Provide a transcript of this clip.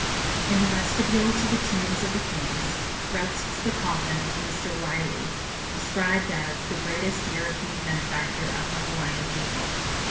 In the vestibule to the tombs of the kings rests the coffin of Mr. Wylie, described as 'the greatest European benefactor of the Hawaiian people.'